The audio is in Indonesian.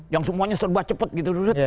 yang semuanya serba cepat gitu